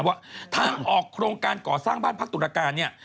แบบว่าถ้าออกโครงการก่อสร้างบ้านพักตุรกา